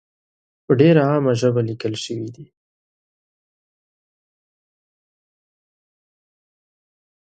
په ډېره عامه ژبه لیکل شوې دي.